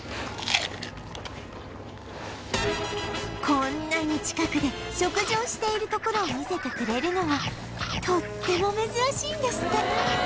こんなに近くで食事をしているところを見せてくれるのはとっても珍しいんですって